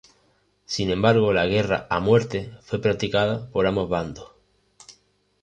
Sin embargo la "Guerra a Muerte" fue practicada por ambos bandos.